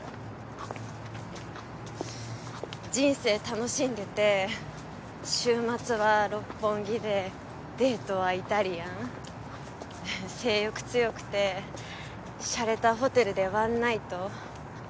うん人生楽しんでて週末は六本木でデートはイタリアン性欲強くてしゃれたホテルでワンナイト？